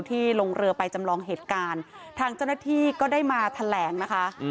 ลงเรือไปจำลองเหตุการณ์ทางเจ้าหน้าที่ก็ได้มาแถลงนะคะ